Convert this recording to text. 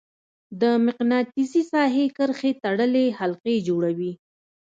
د مقناطیسي ساحې کرښې تړلې حلقې جوړوي.